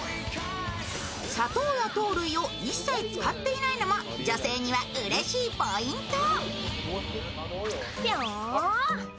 砂糖や糖類を一切使っていないのも女性にはうれしいポイント。